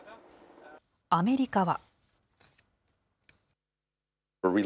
アメリカは。